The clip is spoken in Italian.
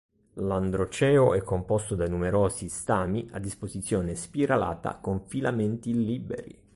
L'androceo è composto da numerosi stami, a disposizione spiralata, con filamenti liberi.